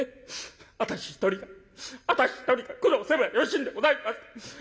私一人が私一人が苦労すればよろしいんでございます。